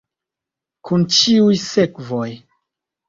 Kun ĉiuj sekvoj.